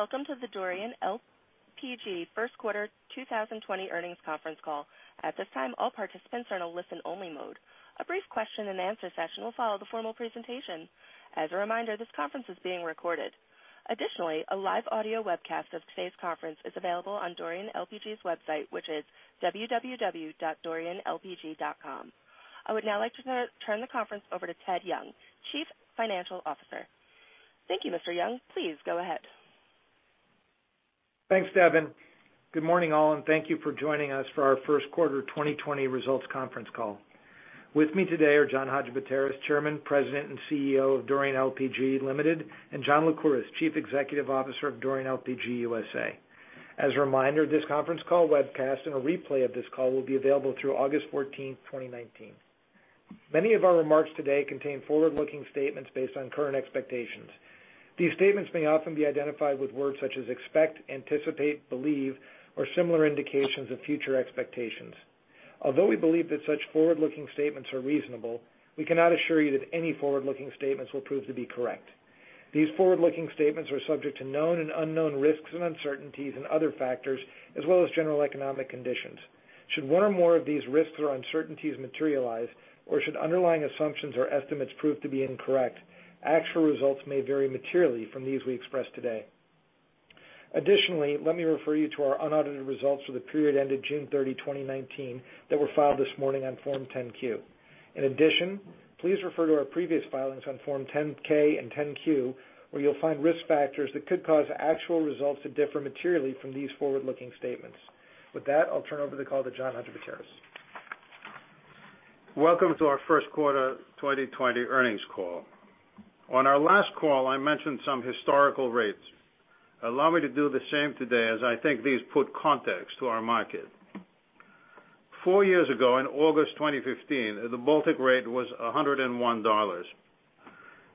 Greetings, and welcome to the Dorian LPG first quarter 2020 earnings conference call. At this time, all participants are in a listen-only mode. A brief question and answer session will follow the formal presentation. As a reminder, this conference is being recorded. Additionally, a live audio webcast of today's conference is available on Dorian LPG's website, which is www.dorianlpg.com. I would now like to turn the conference over to Ted Young, Chief Financial Officer. Thank you, Mr. Young. Please go ahead. Thanks, Devin. Good morning, all, and thank you for joining us for our first quarter 2020 results conference call. With me today are John Hadjipateras, Chairman, President, and CEO of Dorian LPG Ltd., and John Lycouris, Chief Executive Officer of Dorian LPG USA. As a reminder, this conference call webcast and a replay of this call will be available through August 14th, 2019. Many of our remarks today contain forward-looking statements based on current expectations. These statements may often be identified with words such as expect, anticipate, believe, or similar indications of future expectations. Although we believe that such forward-looking statements are reasonable, we cannot assure you that any forward-looking statements will prove to be correct. These forward-looking statements are subject to known and unknown risks and uncertainties and other factors, as well as general economic conditions. Should one or more of these risks or uncertainties materialize, or should underlying assumptions or estimates prove to be incorrect, actual results may vary materially from these we express today. Additionally, let me refer you to our unaudited results for the period ended June 30, 2019, that were filed this morning on Form 10-Q. In addition, please refer to our previous filings on Form 10-K and 10-Q, where you'll find risk factors that could cause actual results to differ materially from these forward-looking statements. With that, I'll turn over the call to John Hadjipateras. Welcome to our first quarter 2020 earnings call. On our last call, I mentioned some historical rates. Allow me to do the same today, as I think these put context to our market. four years ago, in August 2015, the Baltic rate was $101.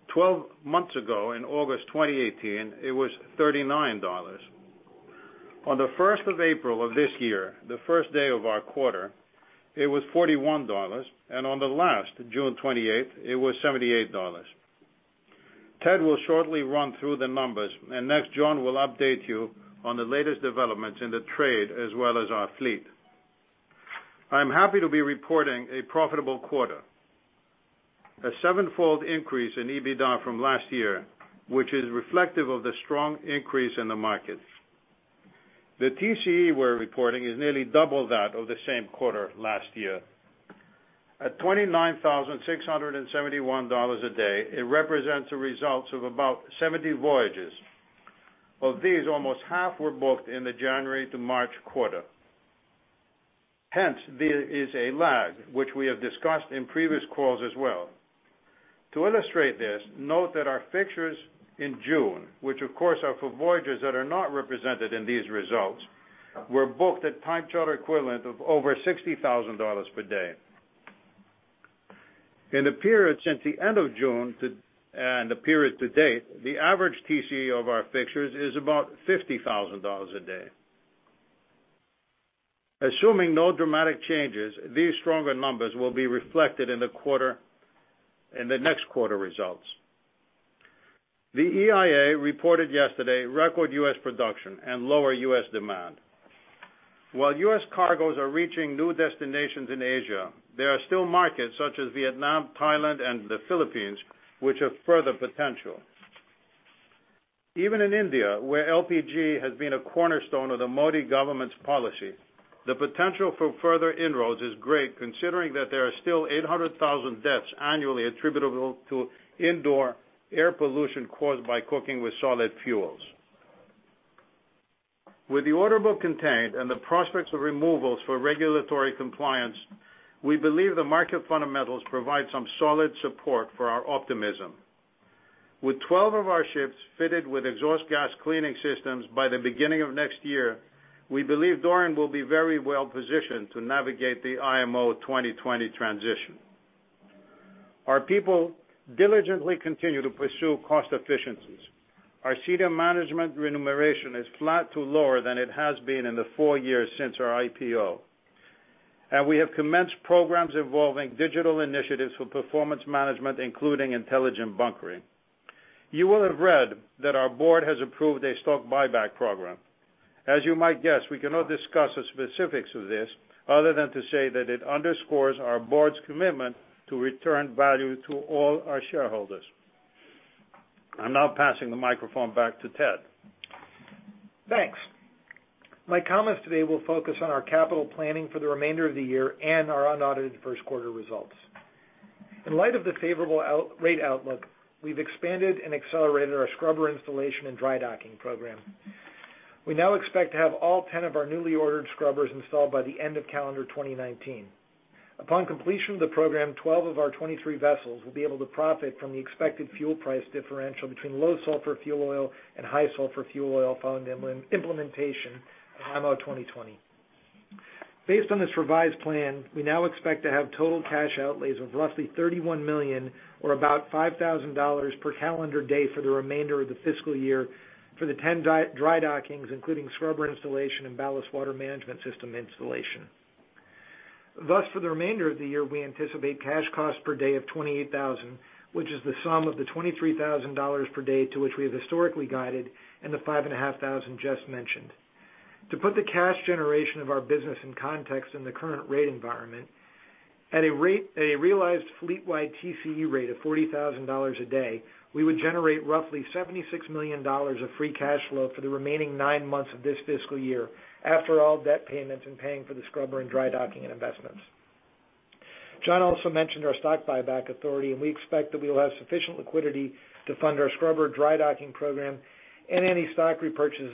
12 months ago, in August 2018, it was $39. On the 1st of April of this year, the first day of our quarter, it was $41, and on the last, June 28th, it was $78. Ted will shortly run through the numbers, and next John will update you on the latest developments in the trade as well as our fleet. I'm happy to be reporting a profitable quarter. A sevenfold increase in EBITDA from last year, which is reflective of the strong increase in the market. The TCE we're reporting is nearly double that of the same quarter last year. At $29,671 a day, it represents the results of about 70 voyages. Of these, almost half were booked in the January to March quarter. Hence, there is a lag, which we have discussed in previous calls as well. To illustrate this, note that our fixtures in June, which of course are for voyages that are not represented in these results, were booked at time charter equivalent of over $60,000 per day. In the period since the end of June and the period to date, the average TCE of our fixtures is about $50,000 a day. Assuming no dramatic changes, these stronger numbers will be reflected in the next quarter results. The EIA reported yesterday record U.S. production and lower U.S. demand. While U.S. cargoes are reaching new destinations in Asia, there are still markets such as Vietnam, Thailand, and the Philippines, which have further potential. Even in India, where LPG has been a cornerstone of the Modi government's policy, the potential for further inroads is great, considering that there are still 800,000 deaths annually attributable to indoor air pollution caused by cooking with solid fuels. With the order book contained and the prospects of removals for regulatory compliance, we believe the market fundamentals provide some solid support for our optimism. With 12 of our ships fitted with exhaust gas cleaning systems by the beginning of next year, we believe Dorian will be very well-positioned to navigate the IMO 2020 transition. Our people diligently continue to pursue cost efficiencies. Our senior management remuneration is flat to lower than it has been in the four years since our IPO. We have commenced programs involving digital initiatives for performance management, including intelligent bunkering. You will have read that our board has approved a stock buyback program. As you might guess, we cannot discuss the specifics of this other than to say that it underscores our board's commitment to return value to all our shareholders. I'm now passing the microphone back to Ted. Thanks. My comments today will focus on our capital planning for the remainder of the year and our unaudited first quarter results. In light of the favorable rate outlook, we've expanded and accelerated our scrubber installation and dry docking program. We now expect to have all 10 of our newly ordered scrubbers installed by the end of calendar 2019. Upon completion of the program, 12 of our 23 vessels will be able to profit from the expected fuel price differential between low sulfur fuel oil and high sulfur fuel oil following the implementation of IMO 2020. Based on this revised plan, we now expect to have total cash outlays of roughly $31 million or about $5,000 per calendar day for the remainder of the fiscal year for the 10 dry dockings, including scrubber installation and ballast water management system installation. Thus, for the remainder of the year, we anticipate cash costs per day of $28,000, which is the sum of the $23,000 per day to which we have historically guided, and the $5,500 just mentioned. To put the cash generation of our business in context in the current rate environment, at a realized fleet-wide TCE rate of $40,000 a day, we would generate roughly $76 million of free cash flow for the remaining nine months of this fiscal year, after all debt payments and paying for the scrubber and dry docking and investments. John also mentioned our stock buyback authority. We expect that we will have sufficient liquidity to fund our scrubber dry docking program and any stock repurchases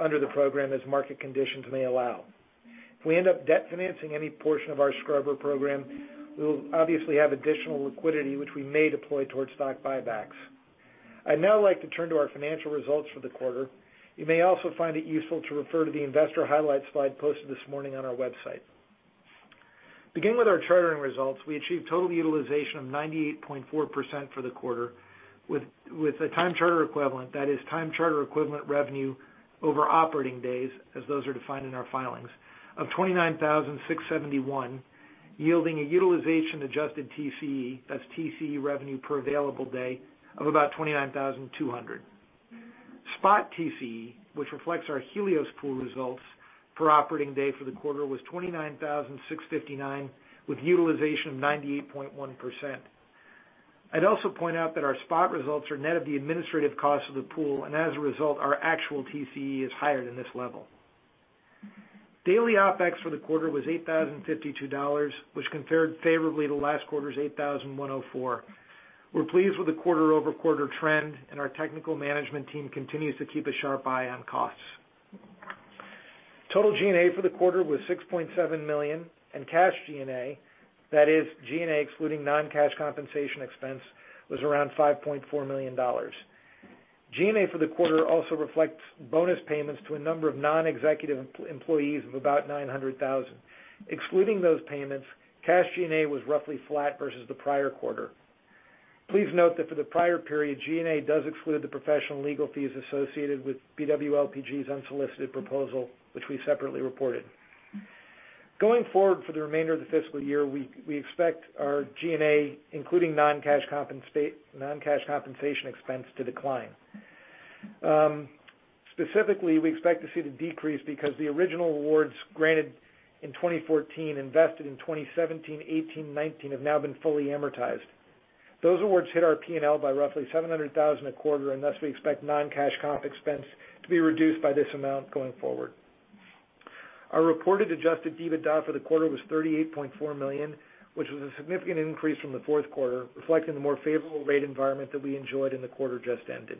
under the program as market conditions may allow. If we end up debt financing any portion of our scrubber program, we will obviously have additional liquidity which we may deploy towards stock buybacks. I'd now like to turn to our financial results for the quarter. You may also find it useful to refer to the investor highlights slide posted this morning on our website. Beginning with our chartering results, we achieved total utilization of 98.4% for the quarter with a time charter equivalent, that is time charter equivalent revenue over operating days, as those are defined in our filings, of 29,671, yielding a utilization-adjusted TCE, that's TCE revenue per available day, of about 29,200. Spot TCE, which reflects our Helios pool results per operating day for the quarter, was $29,659 with utilization of 98.1%. I'd also point out that our spot results are net of the administrative cost of the pool. As a result, our actual TCE is higher than this level. Daily OpEx for the quarter was $8,052, which compared favorably to last quarter's $8,104. We're pleased with the quarter-over-quarter trend. Our technical management team continues to keep a sharp eye on costs. Total G&A for the quarter was $6.7 million. Cash G&A, that is G&A excluding non-cash compensation expense, was around $5.4 million. G&A for the quarter also reflects bonus payments to a number of non-executive employees of about $900,000. Excluding those payments, cash G&A was roughly flat versus the prior quarter. Please note that for the prior period, G&A does exclude the professional legal fees associated with BW LPG's unsolicited proposal, which we separately reported. Going forward for the remainder of the fiscal year, we expect our G&A, including non-cash compensation expense, to decline. Specifically, we expect to see the decrease because the original awards granted in 2014, invested in 2017, 2018, 2019, have now been fully amortized. Those awards hit our P&L by roughly $700,000 a quarter. Thus, we expect non-cash comp expense to be reduced by this amount going forward. Our reported adjusted EBITDA for the quarter was $38.4 million, which was a significant increase from the fourth quarter, reflecting the more favorable rate environment that we enjoyed in the quarter just ended.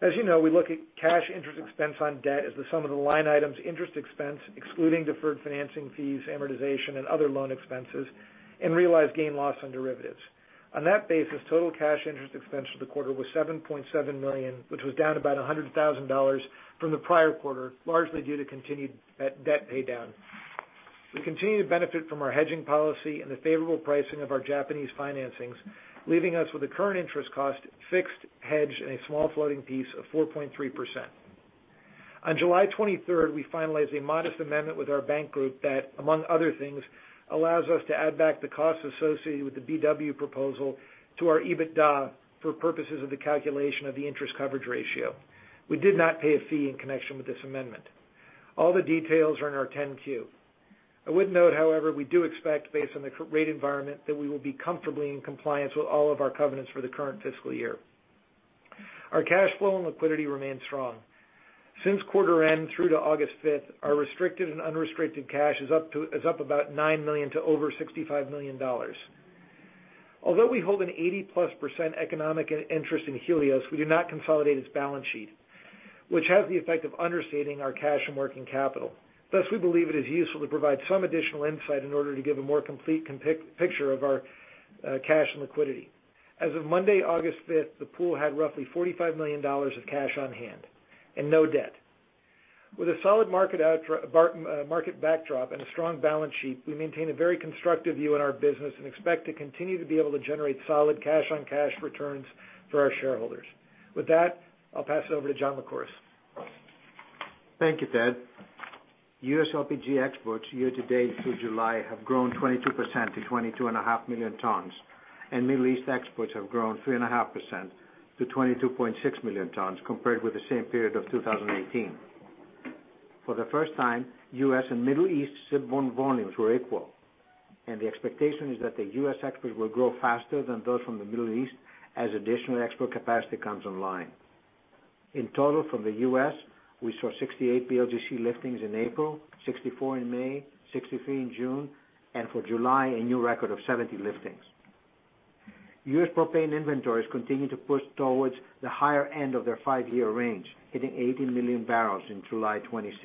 As you know, we look at cash interest expense on debt as the sum of the line items interest expense, excluding deferred financing fees, amortization, and other loan expenses, and realized gain/loss on derivatives. On that basis, total cash interest expense for the quarter was $7.7 million, which was down about $100,000 from the prior quarter, largely due to continued debt paydown. We continue to benefit from our hedging policy and the favorable pricing of our Japanese financings, leaving us with a current interest cost, fixed hedge, and a small floating piece of 4.3%. On July 23rd, we finalized a modest amendment with our bank group that, among other things, allows us to add back the costs associated with the BW proposal to our EBITDA for purposes of the calculation of the interest coverage ratio. We did not pay a fee in connection with this amendment. All the details are in our 10-Q. I would note, however, we do expect, based on the rate environment, that we will be comfortably in compliance with all of our covenants for the current fiscal dayear. Our cash flow and liquidity remain strong. Since quarter end through to August 5th, our restricted and unrestricted cash is up about $9 million to over $65 million. Although we hold an 80%+ economic interest in Helios, we do not consolidate its balance sheet, which has the effect of understating our cash and working capital. Thus, we believe it is useful to provide some additional insight in order to give a more complete picture of our cash and liquidity. As of Monday, August 5th, the pool had roughly $45 million of cash on hand and no debt. With a solid market backdrop and a strong balance sheet, we maintain a very constructive view in our business and expect to continue to be able to generate solid cash-on-cash returns for our shareholders. With that, I'll pass it over to John Lycouris. Thank you, Ted. U.S. LPG exports year to date through July have grown 22% to 22.5 million tons, and Middle East exports have grown 3.5% to 22.6 million tons compared with the same period of 2018. For the first time, U.S. and Middle East shipborne volumes were equal, and the expectation is that the U.S. exports will grow faster than those from the Middle East as additional export capacity comes online. In total, from the U.S., we saw 68 VLGC liftings in April, 64 in May, 63 in June, and for July, a new record of 70 liftings. U.S. propane inventories continue to push towards the higher end of their five-year range, hitting 80 million barrels in July 26.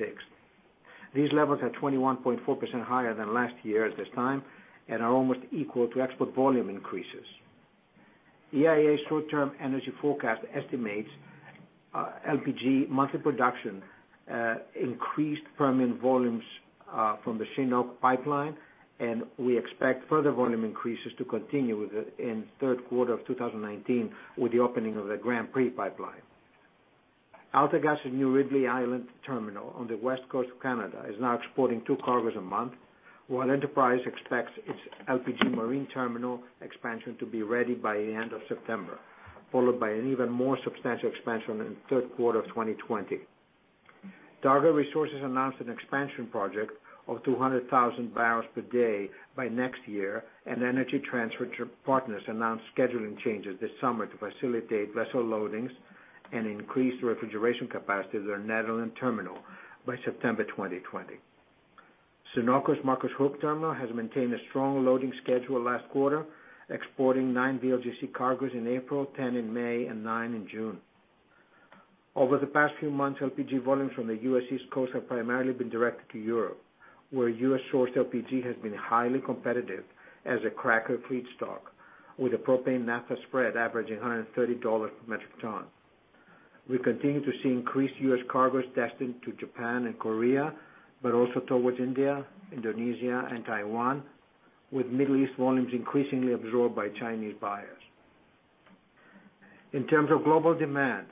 These levels are 21.4% higher than last year at this time and are almost equal to export volume increases. EIA's short-term energy forecast estimates LPG monthly production increased permanent volumes from the Cheniere pipeline, and we expect further volume increases to continue in the third quarter of 2019 with the opening of the Grand Prix pipeline. AltaGas' new Ridley Island terminal on the west coast of Canada is now exporting two cargos a month, while Enterprise expects its LPG marine terminal expansion to be ready by the end of September, followed by an even more substantial expansion in the third quarter of 2020. Targa Resources announced an expansion project of 200,000 bbl per day by next year, and Energy Transfer announced scheduling changes this summer to facilitate vessel loadings and increase the refrigeration capacity of their Nederland terminal by September 2020. Sunoco's Marcus Hook terminal has maintained a strong loading schedule last quarter, exporting nine VLGC cargos in April, 10 in May and nine in June. Over the past few months, LPG volumes from the U.S. East Coast have primarily been directed to Europe, where U.S.-sourced LPG has been highly competitive as a cracker feedstock, with a propane/naphtha spread averaging $130 per metric ton. We continue to see increased U.S. cargos destined to Japan and Korea, but also towards India, Indonesia and Taiwan, with Middle East volumes increasingly absorbed by Chinese buyers. In terms of global demand,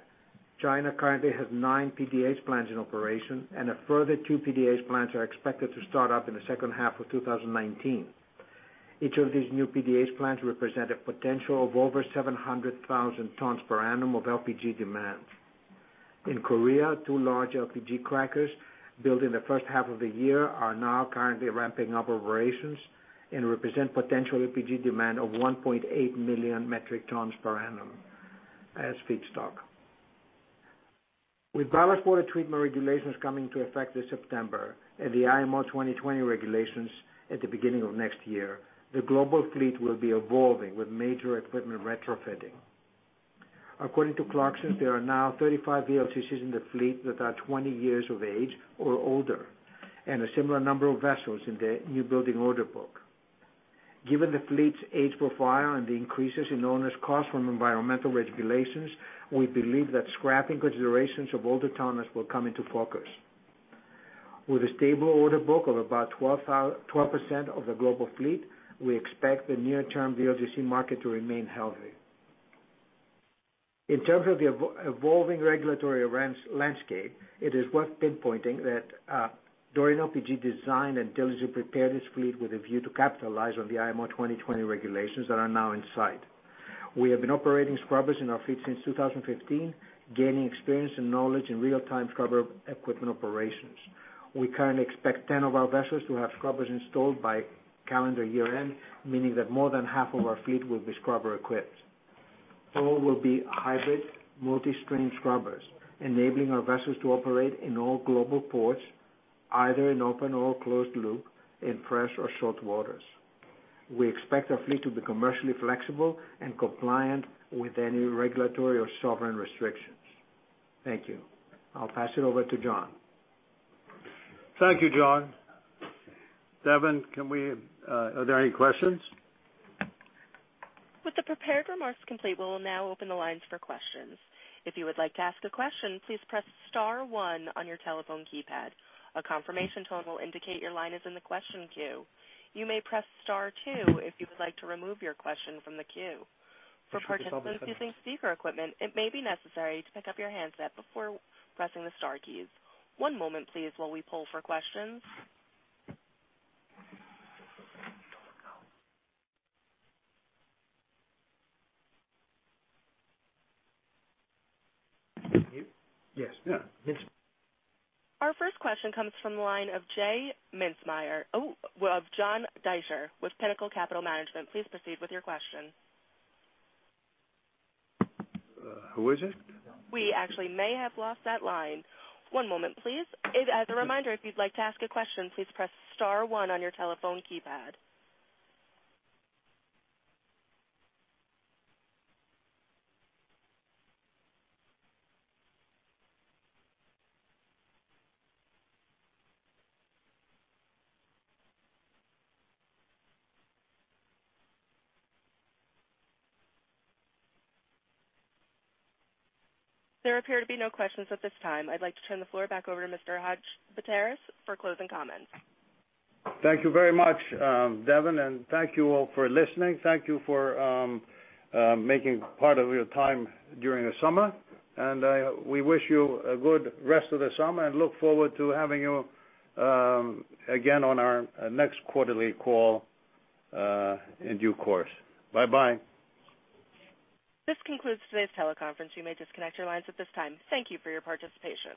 China currently has nine PDH plants in operation, and a further two PDH plants are expected to start up in the second half of 2019. Each of these new PDH plants represent a potential of over 700,000 tons per annum of LPG demand. In Korea, two large LPG crackers built in the first half of the year are now currently ramping up operations and represent potential LPG demand of 1.8 million metric tons per annum as feedstock. With ballast water treatment regulations coming to effect this September, and the IMO 2020 regulations at the beginning of next year, the global fleet will be evolving with major equipment retrofitting. According to Clarksons, there are now 35 VLGCs in the fleet that are 20 years of age or older, and a similar number of vessels in the new building order book. Given the fleet's age profile and the increases in onerous costs from environmental regulations, we believe that scrapping considerations of older tonnages will come into focus. With a stable order book of about 12% of the global fleet, we expect the near-term VLGC market to remain healthy. In terms of the evolving regulatory landscape, it is worth pinpointing that Dorian LPG designed and diligently prepared its fleet with a view to capitalize on the IMO 2020 regulations that are now in sight. We have been operating scrubbers in our fleet since 2015, gaining experience and knowledge in real-time scrubber equipment operations. We currently expect 10 of our vessels to have scrubbers installed by calendar year-end, meaning that more than half of our fleet will be scrubber-equipped. All will be hybrid multi-stream scrubbers, enabling our vessels to operate in all global ports, either in open or closed loop, in fresh or salt waters. We expect our fleet to be commercially flexible and compliant with any regulatory or sovereign restrictions. Thank you. I'll pass it over to John. Thank you, John. Devin, are there any questions? With the prepared remarks complete, we will now open the lines for questions. If you would like to ask a question, please press star one on your telephone keypad. A confirmation tone will indicate your line is in the question queue. You may press star two if you would like to remove your question from the queue. For participants using speaker equipment, it may be necessary to pick up your handset before pressing the star keys. One moment please while we poll for questions. Yes. Yeah. Our first question comes from the line of John Deisher with Pinnacle Capital Management. Please proceed with your question. Who is it? We actually may have lost that line. One moment please. As a reminder, if you'd like to ask a question, please press star one on your telephone keypad. There appear to be no questions at this time. I'd like to turn the floor back over to Mr. Hadjipateras for closing comments. Thank you very much, Devin, and thank you all for listening. Thank you for making part of your time during the summer, and we wish you a good rest of the summer and look forward to having you again on our next quarterly call in due course. Bye-bye. This concludes today's teleconference. You may disconnect your lines at this time. Thank you for your participation.